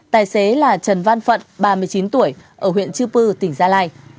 tài xế là trần văn phận ba mươi chín tuổi ở huyện chư pư tỉnh gia lai